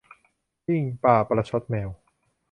ปิ้งปลาประชดแมว